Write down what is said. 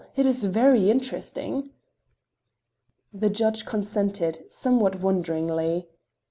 It is very interesting." The judge consented, somewhat wonderingly.